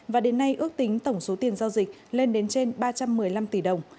và đến nay ước tính tổng số tiền giao dịch lên đến trên ba trăm một mươi năm tỷ đồng